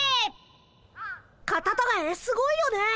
カタタガエすごいよね。